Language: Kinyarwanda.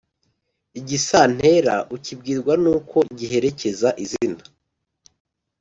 igisantera ukibwirwa n’uko giherekeza izina